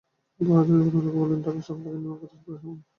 ফরহাদুজ্জামান প্রথম আলোকে বলেন, ঢাকার সব এলাকায় নির্মাণ খরচ প্রায় সমান।